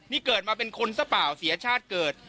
นี่เกิดมาเป็นคนซะเปล่าเสียชาติเกิด